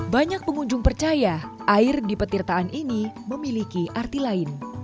banyak pengunjung percaya air di petirtaan ini memiliki arti lain